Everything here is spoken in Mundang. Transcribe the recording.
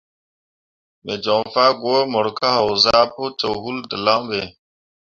Me joŋ fah gwǝ mor ka haozah pǝ cok wul dǝlaŋ ɓe.